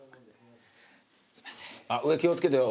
上気を付けてよ